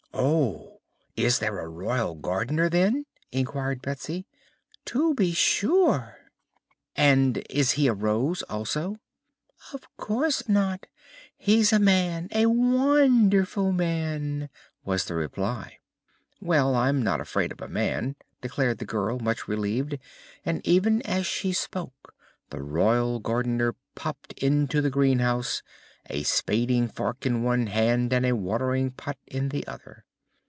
"Oh! Is there a Royal Gardener, then?" inquired Betsy. "To be sure." "And is he a Rose, also?" "Of course not; he's a man a wonderful man," was the reply. "Well, I'm not afraid of a man," declared the girl, much relieved, and even as she spoke the Royal Gardener popped into the greenhouse a spading fork in one hand and a watering pot in the other.